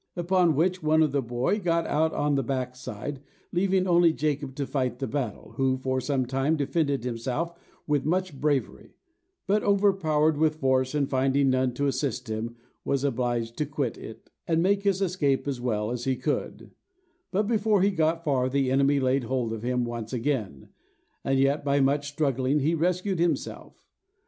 Upon which, one with the boy got out on the back side, leaving only Jacob to fight the battle, who, for some time, defended himself with much bravery; but overpowered with force, and finding none to assist him, was obliged to quit it, and make his escape as well as he could: but before he got far, the enemy laid hold of him once and again; and yet, by much struggling, he rescued himself.